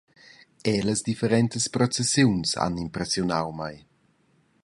Era las differentas processiuns han impressiunau mei.